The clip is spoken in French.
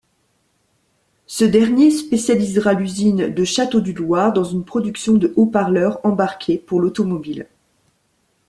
Ce dernier spécialisera l'usine de Château-du-Loir dans une production de haut-parleurs embarqués pour l'automobile.